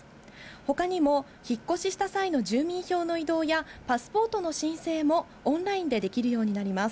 ほかにも、引っ越しした際の住民票の移動や、パスポートの申請も、オンラインでできるようになります。